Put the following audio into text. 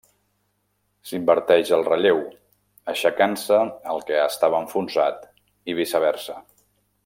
S'inverteix el relleu, aixecant-se el que estava enfonsat i viceversa.